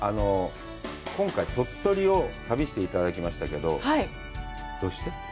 今回鳥取を旅していただきましたけどどうして？